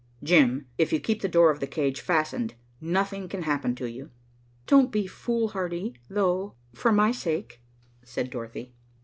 "Jim, if you keep the door of the cage fastened, nothing can happen to you." "Don't be foolhardy, though, for my sake," said Dorothy.